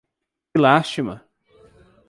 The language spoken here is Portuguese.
Que lástima!